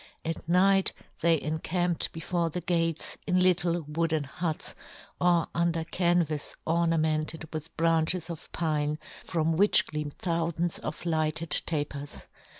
At night they encamped " before the gates, in little wooden " huts, or under canvas ornamented " with branches of pine, from which " gleamed thoufands of lighted ta " pers.